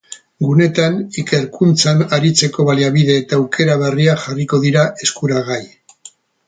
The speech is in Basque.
Guneetan, ikerkuntzan aritzeko baliabide eta aukera berriak jarriko dira eskuragai.